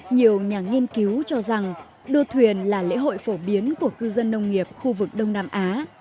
nhiều nhà nghiên cứu cho rằng đua thuyền là lễ hội phổ biến của cư dân nông nghiệp khu vực đông nam á